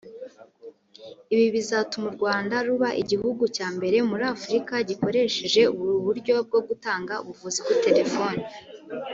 Ibi bizatuma u Rwanda ruba igihugu cya mbere muri Afurika gikoresheje ubu buryo bwo gutanga ubuvuzi kuri telefoni